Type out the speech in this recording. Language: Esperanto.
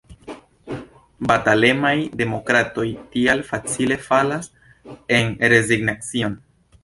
Batalemaj demokratoj tial facile falas en rezignacion.